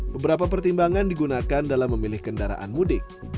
beberapa pertimbangan digunakan dalam memilih kendaraan mudik